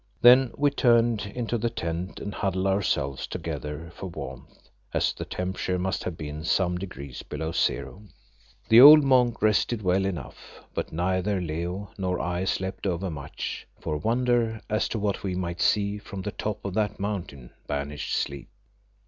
Then we turned into the tent and huddled ourselves together for warmth, as the temperature must have been some degrees below zero. The old monk rested well enough, but neither Leo nor I slept over much, for wonder as to what we might see from the top of that mountain banished sleep.